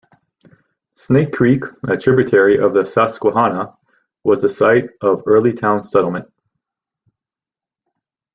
Snake Creek, a tributary of the Susquehanna, was the site of early town settlement.